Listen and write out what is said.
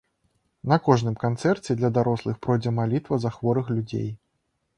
На кожным канцэрце для дарослых пройдзе малітва за хворых людзей.